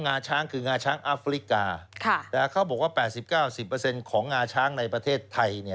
งาช้างคืองาช้างอาฟริกาเขาบอกว่า๘๐๙๐ของงาช้างในประเทศไทยเนี่ย